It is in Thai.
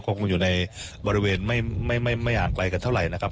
คงอยู่ในบริเวณไม่ห่างไกลกันเท่าไหร่นะครับ